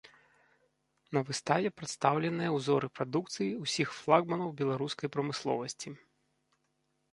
На выставе прадстаўленыя ўзоры прадукцыі ўсіх флагманаў беларускай прамысловасці.